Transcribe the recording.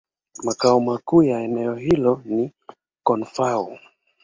Makao makuu ya eneo hilo ni Koun-Fao.